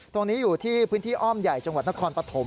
ตรงนี้อยู่ที่พื้นที่อ้อมใหญ่จังหวัดนครปฐม